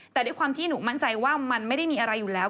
แต่ด้วยความที่หนูมั่นใจว่ามันไม่ได้มีอะไรอยู่แล้ว